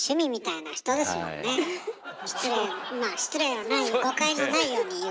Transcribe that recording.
失礼まあ失礼のない誤解のないように言うと。